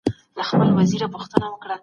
کاردستي د عاطفې او احساساتو اغېزه لري.